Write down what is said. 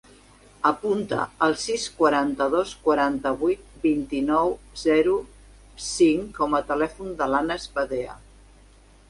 Apunta el sis, quaranta-dos, quaranta-vuit, vint-i-nou, zero, cinc com a telèfon de l'Anas Badea.